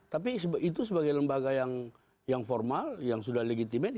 tapi itu sebagai lembaga yang formal yang sudah legitimen